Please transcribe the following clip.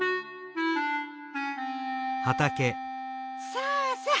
さあさあ